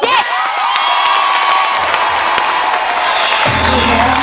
เย็น